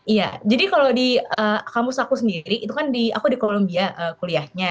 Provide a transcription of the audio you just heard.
iya jadi kalau di kamus aku sendiri itu kan aku di columbia kuliahnya